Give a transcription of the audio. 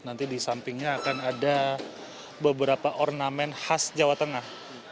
nanti di sampingnya akan ada beberapa ornamen khas jawa tengah